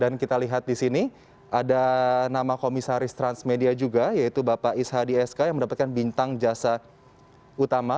dan kita lihat di sini ada nama komisaris transmedia juga yaitu bapak isha d s k yang mendapatkan bintang jasa utama